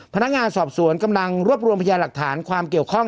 พนักงานสอบสวนกำลังรวบรวมพยานหลักฐานความเกี่ยวข้อง